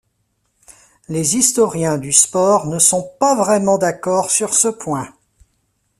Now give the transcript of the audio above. Les historiens du sport ne sont pas vraiment d'accord sur ce point.